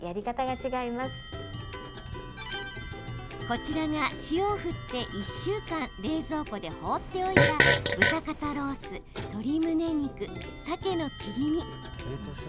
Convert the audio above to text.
こちらが塩を振って１週間冷蔵庫で放っておいた豚肩ロース、鶏むね肉さけの切り身。